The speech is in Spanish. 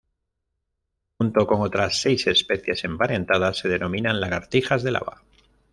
Junto con otras seis especies emparentadas se denominan lagartijas de lava.